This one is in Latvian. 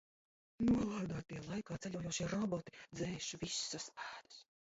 Nolādētie laikā ceļojošie roboti dzēš visas pēdas.